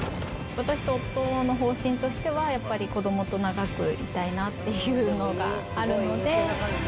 私と夫の方針としては、やっぱり子どもと長くいたいなっていうのがあるので。